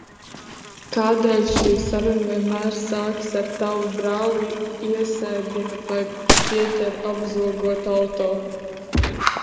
Kādēļ šī saruna vienmēr sākas, kad tavu brāli iesēdina vai pieķer apzogot auto?